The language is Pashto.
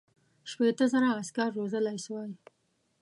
شپېته زره عسکر روزلای سوای.